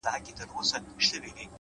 درناوی د انسان ښکلا ده؛